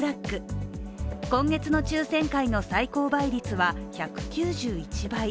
今月の抽選会の最高倍率は１９１倍。